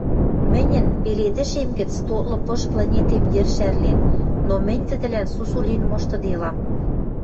Мӹньӹн пеледӹшем гӹц тотлы пыш планетем йӹр шӓрлен, но мӹнь тӹдӹлӓн сусу лин моштыделам.